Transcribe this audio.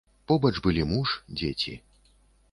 Побач былі муж, дзеці.